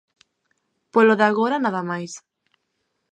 Polo de agora nada máis.